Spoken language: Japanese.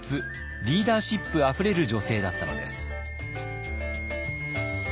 リーダーシップあふれる女性だったのです。